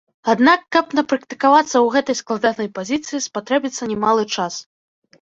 Аднак, каб напрактыкавацца ў гэтай складанай пазіцыі, спатрэбіцца немалы час.